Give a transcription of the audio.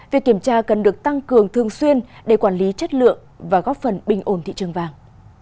việc kiểm tra cần được tăng cường thường xuyên để quản lý chất lượng và góp phần bình ổn thị trường vàng